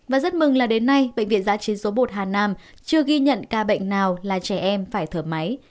và rất mừng là đến nay bệnh viện giã chiến số một hà nam chưa ghi nhận ca bệnh nào là trẻ em phải thở máy